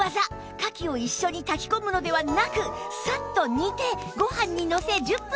かきを一緒に炊き込むのではなくサッと煮てご飯にのせ１０分蒸らします